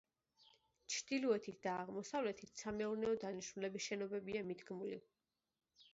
ჩრდილოეთით და აღმოსავლეთით სამეურნეო დანიშნულების შენობებია მიდგმული.